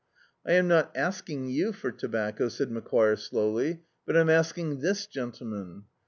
"I am not asking you for tobacco," said Macquire slowly — "but am asking this gentleman."